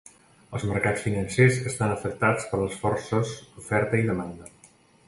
Els mercats financers estan afectats per les forces d'oferta i demanda.